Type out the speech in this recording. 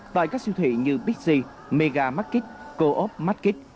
tại các siêu thị như pixi mega market co op market